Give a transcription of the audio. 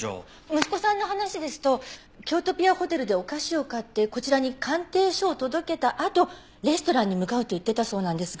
息子さんの話ですとキョウトピアホテルでお菓子を買ってこちらに鑑定書を届けたあとレストランに向かうと言ってたそうなんですが。